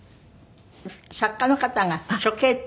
作家の方が書痙って。